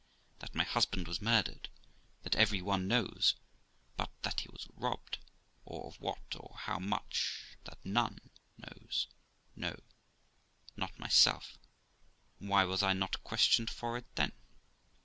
That my husband was murdered, that every one knows; but that he was robbed, or of what, or how much, that none knows no, not myself; and why was I not questioned for it then?